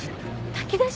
炊き出し？